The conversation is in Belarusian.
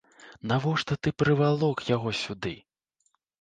Навошта ты прывалок яго сюды?